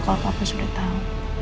kalo papa sudah tau